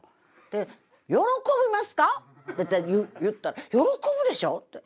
で「喜びますか？」って言ったら「喜ぶでしょう」って。